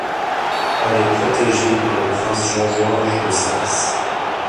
Elle est protégée par le prince Jean-Georges de Saxe.